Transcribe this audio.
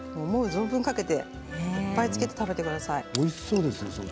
存分かけて、いっぱいかけて食べてください。